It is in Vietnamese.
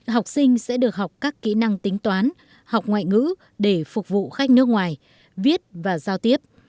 học sinh sẽ được học các kỹ năng tính toán học ngoại ngữ để phục vụ khách nước ngoài viết và giao tiếp